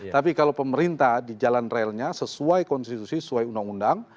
tapi kalau pemerintah di jalan relnya sesuai konstitusi sesuai undang undang